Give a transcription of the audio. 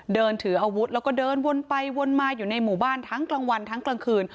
เดินถืออาวุธแล้วก็เดินวนไปวนมาอยู่ในหมู่บ้านทั้งกลางวันทั้งกลางคืน